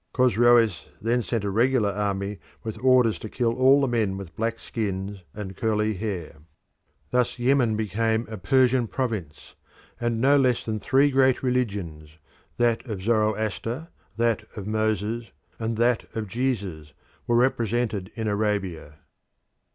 Chosroes then sent a regular army with orders to kill all the men with black skins and curly hair. Thus Yemen became a Persian province, and no less than three great religions that of Zoroaster, that of Moses, and that of Jesus were represented in Arabia.